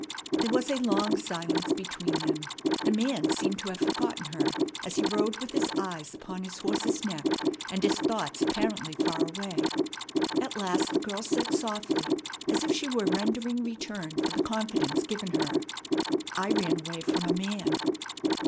There was a long silence between them. The man seemed to have forgotten her as he rode with his eyes upon his horse's neck, and his thoughts apparently far away. At last the girl said softly, as if she were rendering return for the confidence given her, "I ran away from a man."